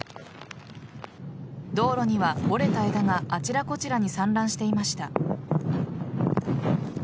道路には折れた枝があちらこちらに散乱していました。